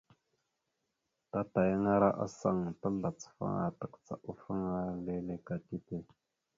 Tatayaŋara asaŋ tazlacafaŋa takəcaɗafaŋa leele ka tipe.